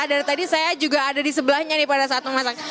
dari tadi saya juga ada di sebelahnya nih pada saat memasak